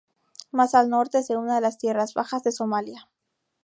Más al norte, se une a las tierras bajas de Somalia.